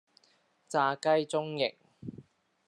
炸雞中翼